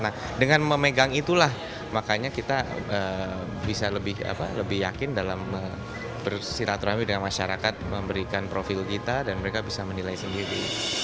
nah dengan memegang itulah makanya kita bisa lebih yakin dalam bersiraturahmi dengan masyarakat memberikan profil kita dan mereka bisa menilai sendiri